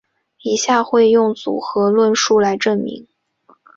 以下会用组合论述来证明。